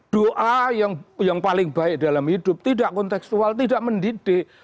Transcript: doa yang paling baik dalam hidup tidak konteksual tidak mendidik